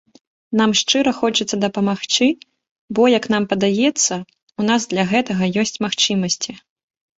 Нам шчыра хочацца дапамагчы, бо як нам падаецца, у нас для гэтага ёсць магчымасці.